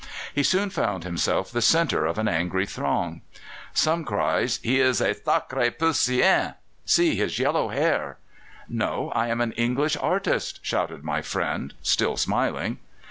He soon found himself the centre of an angry throng. Some cried: "He is a sacré Prussien! See his yellow hair!" "No; I am an English artist," shouted my friend, still smiling.